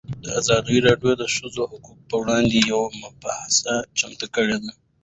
ازادي راډیو د د ښځو حقونه پر وړاندې یوه مباحثه چمتو کړې.